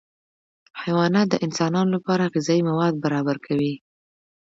حیوانات د انسانانو لپاره غذایي مواد برابر کوي